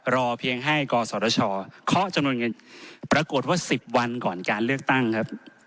รอเพียงให้กศชเคาะจำนวนเงินปรากฏว่า๑๐วันก่อนการเลือกตั้งครับ